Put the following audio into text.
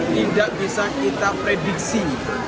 tidak bisa kita prediksi